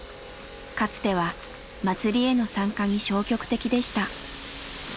かつては祭りへの参加に消極的でした。